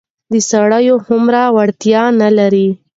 د سړيو هومره وړتيا نه لري.